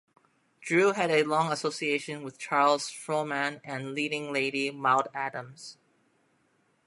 Drew had a long association with Charles Frohman and leading lady Maude Adams.